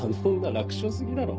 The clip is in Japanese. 楽勝過ぎだろ。